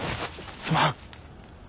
すまん。